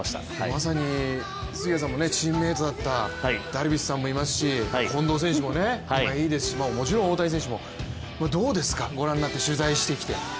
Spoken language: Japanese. まさに杉谷さんもチームメイトだったダルビッシュさんもいますし、近藤選手もいいですしもちろん大谷選手もどうですか、ご覧になって取材してきて。